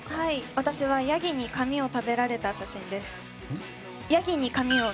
私はヤギに髪を食べられた写真です。